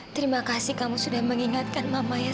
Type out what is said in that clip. terima kasih kamu sudah mengingatkan mama ya sayang